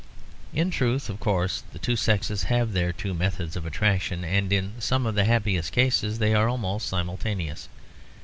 In truth, of course, the two sexes have their two methods of attraction, and in some of the happiest cases they are almost simultaneous.